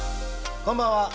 こんばんは。